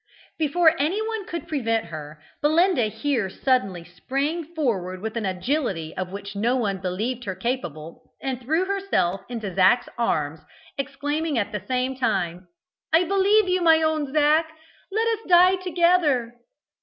Before any one could prevent her, Belinda here suddenly sprang forward with an agility of which no one believed her capable, and threw herself into Zac's arms, exclaiming at the same time "I believe you, my own Zac; let us die together."